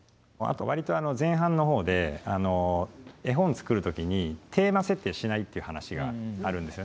割と前半の方で絵本作る時にテーマ設定しないっていう話があるんですよね。